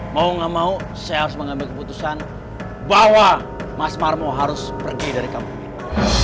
mau gak mau saya harus mengambil keputusan bahwa mas marmo harus pergi dari kampung ini